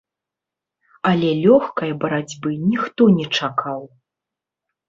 Але лёгкай барацьбы ніхто не чакаў.